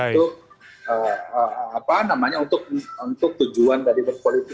untuk tujuan dari berpolitik itu sendiri